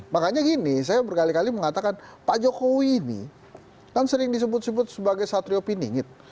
makanya gini saya berkali kali mengatakan pak jokowi ini kan sering disebut sebut sebagai satrio piningit